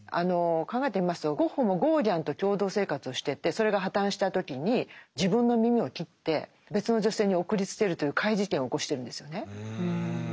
考えてみますとゴッホもゴーギャンと共同生活をしててそれが破綻した時に自分の耳を切って別の女性に送りつけるという怪事件を起こしてるんですよね。